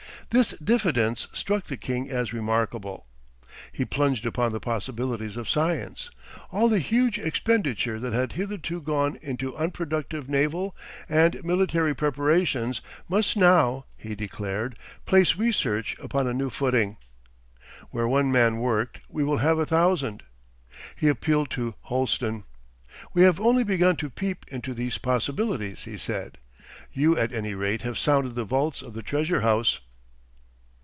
This diffidence struck the king as remarkable. He plunged upon the possibilities of science. All the huge expenditure that had hitherto gone into unproductive naval and military preparations, must now, he declared, place research upon a new footing. 'Where one man worked we will have a thousand.' He appealed to Holsten. 'We have only begun to peep into these possibilities,' he said. 'You at any rate have sounded the vaults of the treasure house.